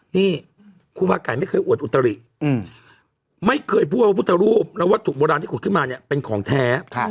นี่ครูบาไก่ไม่เคยอวดอุตริไม่เคยพูดว่าพระพุทธรูปและวัตถุโบราณที่ขุดขึ้นมาเนี่ยเป็นของแท้